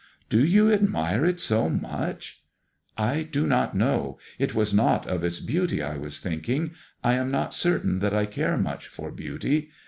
" Do you admire it so much ?'•I do not know. It was not of its beauty I was thinking. I am not certain that I care much for beauty.